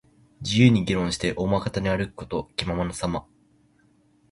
自由に議論して、大股に歩くこと。気ままなさま。